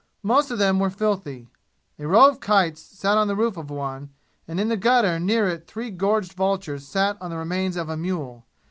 Most of them were filthy. A row of kites sat on the roof of one, and in the gutter near it three gorged vultures sat on the remains of a mule.